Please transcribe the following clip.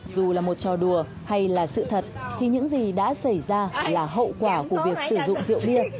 dù là một trò đùa hay là sự thật thì những gì đã xảy ra là hậu quả của việc sử dụng rượu bia